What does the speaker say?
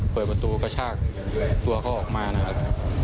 เปิดประตูกระชากตัวเขาออกมานะครับ